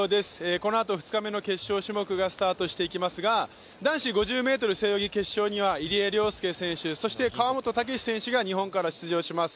このあと２日目の決勝種目がスタートしていきますが男子５０ｍ背泳ぎ決勝には入江陵介選手、そして川本武史選手が日本から出場します。